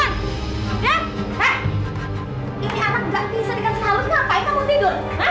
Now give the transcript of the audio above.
ini anak nggak bisa dikasih halus ngapain kamu tidur